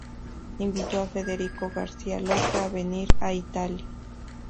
Invitó a Federico García Lorca a venir a Italia.